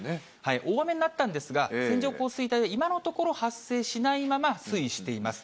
大雨になったんですが、線状降水帯、今のところ発生しないまま推移しています。